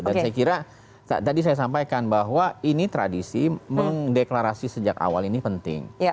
dan saya kira tadi saya sampaikan bahwa ini tradisi mendeklarasi sejak awal ini penting